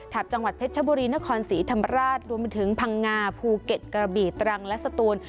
จังหวัดเพชรชบุรีนครศรีธรรมราชรวมไปถึงพังงาภูเก็ตกระบีตรังและสตูน